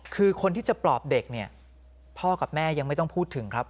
คือคนที่จะปลอบเด็กเนี่ยพ่อกับแม่ยังไม่ต้องพูดถึงครับ